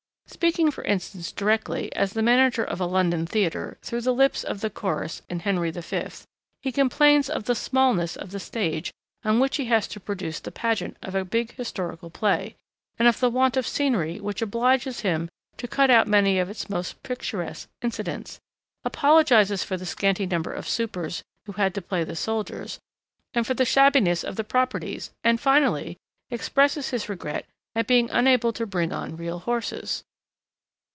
Speaking, for instance, directly, as the manager of a London theatre, through the lips of the chorus in Henry V., he complains of the smallness of the stage on which he has to produce the pageant of a big historical play, and of the want of scenery which obliges him to cut out many of its most picturesque incidents, apologises for the scanty number of supers who had to play the soldiers, and for the shabbiness of the properties, and, finally, expresses his regret at being unable to bring on real horses.